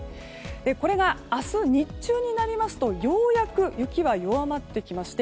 これが明日、日中になりますとようやく雪は弱まってきまして